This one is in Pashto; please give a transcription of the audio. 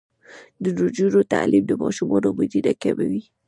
د نجونو تعلیم د ماشومانو مړینه کموي.